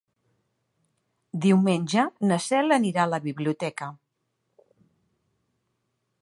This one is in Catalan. Diumenge na Cel anirà a la biblioteca.